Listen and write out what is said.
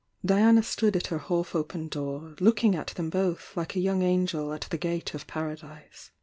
Diana stood at her half open door, looking at them both like a young angel at the gate of paradise.